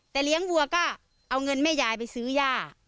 แต่เลี้ยงวัวก็เอาเงินแม่ยายไปซื้อย่า